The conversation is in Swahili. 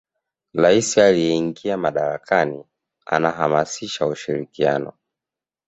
rais anayeingia madarakani anahamasisha ushirikiano